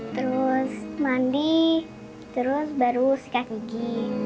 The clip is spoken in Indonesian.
terus mandi terus baru sekaligi